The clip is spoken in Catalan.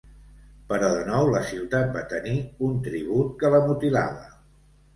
Però de nou la ciutat va tenir un tribut que la mutilava.